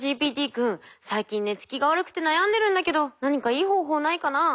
君最近寝つきが悪くて悩んでるんだけど何かいい方法ないかなあ。